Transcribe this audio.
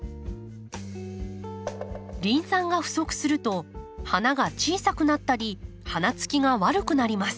リン酸が不足すると花が小さくなったり花つきが悪くなります。